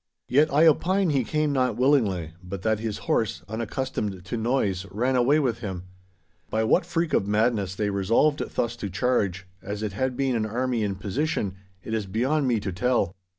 Yet I opine he came not willingly, but that his horse, unaccustomed to noise, ran away with him. By what freak of madness they resolved thus to charge, as it had been an army in position, it is beyond me to tell.